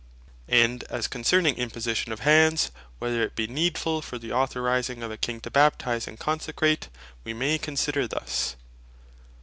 And as concerning Imposition of Hands, whether it be needfull, for the authorizing of a King to Baptize, and Consecrate, we may consider thus.